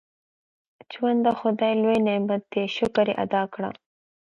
• ژوند د خدای لوی نعمت دی، شکر یې ادا کړه.